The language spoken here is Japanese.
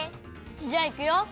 じゃあいくよ！